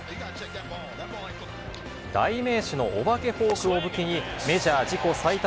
代名詞のお化けフォークを武器に、メジャー自己最多